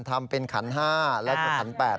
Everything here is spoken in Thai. ทำเป็นขันห้าแล้วก็ขันแปด